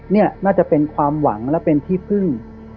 นี่น่าจะเป็นความหวังและเป็นที่พึ่ง